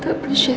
tante paham ya